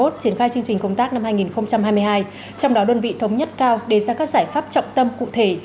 triển khai chương trình công tác năm hai nghìn hai mươi hai trong đó đơn vị thống nhất cao đề ra các giải pháp trọng tâm cụ thể